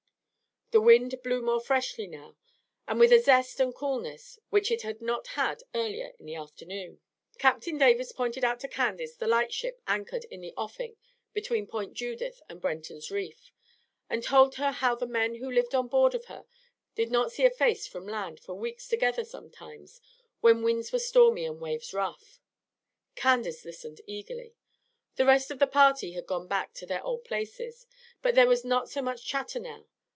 The wind blew more freshly now, and with a zest and coolness which it had not had earlier in the afternoon. Captain Davis pointed out to Candace the light ship anchored in the offing between Point Judith and Brenton's Reef, and told her how the men who lived on board of her did not see a face from land for weeks together sometimes, when winds were stormy and waves rough. Candace listened eagerly. The rest of the party had gone back to their old places, but there was not so much chatter now.